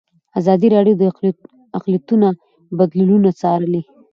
ازادي راډیو د اقلیتونه بدلونونه څارلي.